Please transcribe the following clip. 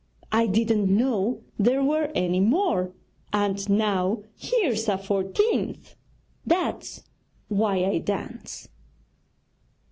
I didn't know there were any more, and now here's a fourteenth! That's why I dance!'